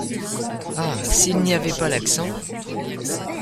Ah ! s’il n’y avait pas l’accent !